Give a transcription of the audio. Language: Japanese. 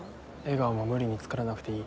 笑顔も無理に作らなくていい。